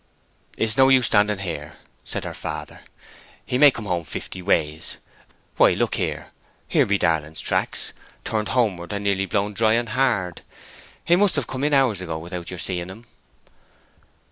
"It is no use standing here," said her father. "He may come home fifty ways...why, look here!—here be Darling's tracks—turned homeward and nearly blown dry and hard! He must have come in hours ago without your seeing him."